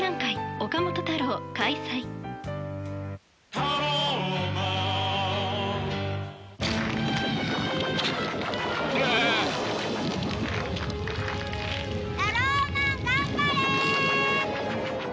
タローマン頑張れ！